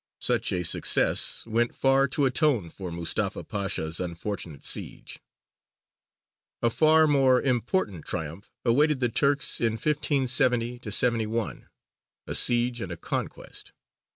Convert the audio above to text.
Such a success went far to atone for Mustafa Pasha's unfortunate siege. A far more important triumph awaited the Turks in 1570 1: a siege, and a conquest.